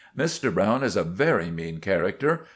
Mr. Browne is a very mean character.